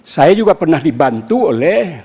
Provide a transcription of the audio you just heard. saya juga pernah dibantu oleh